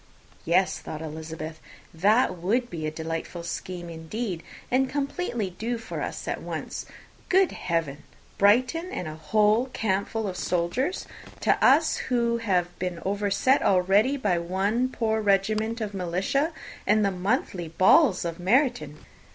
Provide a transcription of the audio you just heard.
"Yes," thought Elizabeth; "that would be a delightful scheme, indeed, and completely do for us at once. Good Heaven! Brighton and a whole campful of soldiers, to us, who have been overset already by one poor regiment of militia, and the monthly balls of Meryton!"